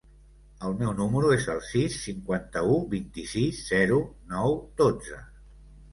El meu número es el sis, cinquanta-u, vint-i-sis, zero, nou, dotze.